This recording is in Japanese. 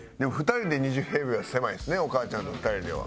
２人で２０平米は狭いですねお母ちゃんと２人では。